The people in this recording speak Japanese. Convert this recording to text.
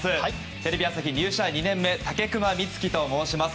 テレビ朝日入社２年目武隈光希と申します。